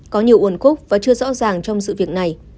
có nhiều uẩn khúc và chưa rõ ràng trong sự việc này